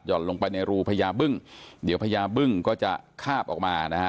ลงไปในรูพญาบึ้งเดี๋ยวพญาบึ้งก็จะคาบออกมานะฮะ